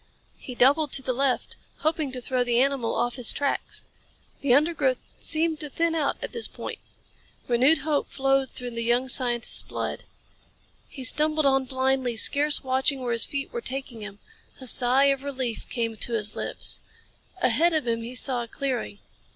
He doubled to the left, hoping to throw the animal off his tracks. The undergrowth seemed to thin out at this point. Renewed hope flowed through the young scientist's blood. He stumbled on blindly, scarce watching where his feet were taking him. A sigh of relief came to his lips. Ahead of him he saw a clearing.